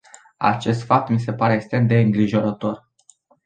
Acest fapt mi se pare extrem de îngrijorător.